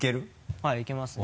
はいいけますね。